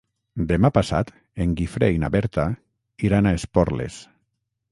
Demà passat en Guifré i na Berta iran a Esporles.